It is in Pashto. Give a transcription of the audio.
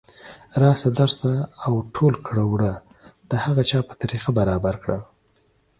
راشه درشه او او ټول کړه وړه د هغه چا په طریقه برابر کړه